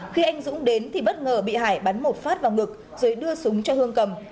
khi anh dũng đến thì bất ngờ bị hải bắn một phát vào ngực rồi đưa súng cho hương cầm